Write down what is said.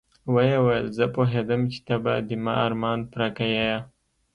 ويې ويل زه پوهېدم چې ته به د ما ارمان پوره کيې.